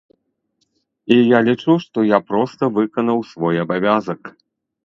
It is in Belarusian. І я лічу, што я проста выканаў свой абавязак.